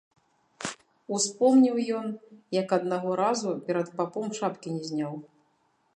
Успомніў ён, як аднаго разу перад папом шапкі не зняў.